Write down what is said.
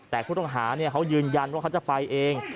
แต่ผู้ต้องหาเขายืนยันว่าเขาจะไปเอง